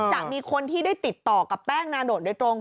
จะมีคนที่ได้ติดต่อกับแป้งนาโดดโดยตรง